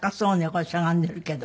これしゃがんでいるけど。